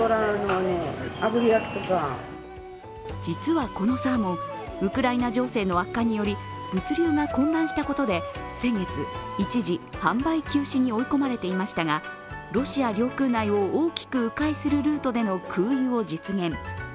実はこのサーモン、ウクライナ情勢の悪化により物流が混乱したことで先月、一時、販売休止に追い込まれていましたがロシア領空内を大きくう回するルートでの空輸を実現。